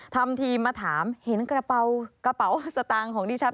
ทำทีมาถามเห็นกระเป๋ากระเป๋าสตางค์ของดิฉัน